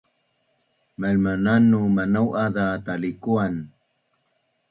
Mailmananu manau’az za talikuan